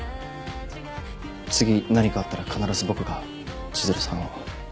次何かあったら必ず僕が千鶴さんを。